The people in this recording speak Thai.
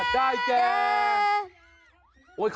ได้แก่